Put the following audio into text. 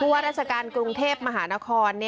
ว่าราชการกรุงเทพมหานคร